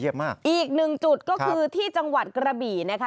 อีกหนึ่งจุดก็คือที่จังหวัดกระบี่นะคะ